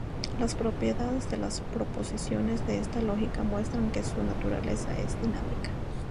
Las propiedades de las proposiciones de esta lógica, muestran que su naturaleza es dinámica.